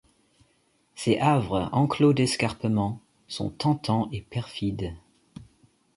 Ces havres, enclos d’escarpements, sont tentants et perfides.